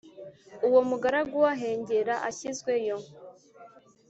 Uwo mugaragu we ahengera ashyizweyo